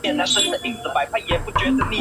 它产于江苏省如皋市。